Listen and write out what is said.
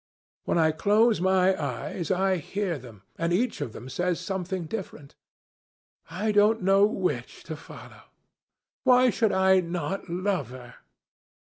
When I close my eyes, I hear them, and each of them says something different. I don't know which to follow. Why should I not love her?